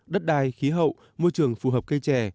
đất đai khí hậu môi trường phù hợp cây trẻ